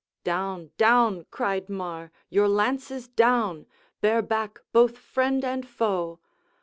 "Down, down," cried Mar, "your lances down' Bear back both friend and foe!